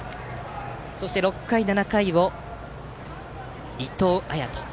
そして６回、７回を伊藤彩斗。